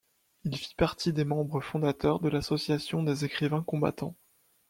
Il fit partie des membres fondateurs de l'Association des écrivains combattants.